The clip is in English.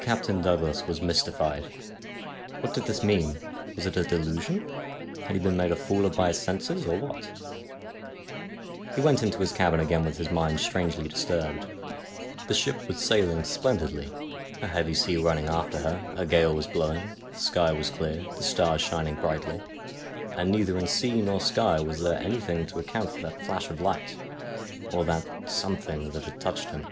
Captain Douglas was mystified. What did this mean ? Was it a delusion ? Had he been made a fool of by his senses, or what ? He went into his cabin again with his mind strangely dis turbed. The ship was sailing splendidly, a heavy sea running after her, a gale was blowing, the sky was clear, the stars shining brightly, and neither in sea nor sky was there any thing to account for that flash of light, or that something that had touched him.